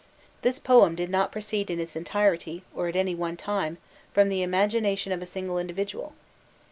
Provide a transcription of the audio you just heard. '" This poem did not proceed in its entirety, or at one time, from the imagination of a single individual.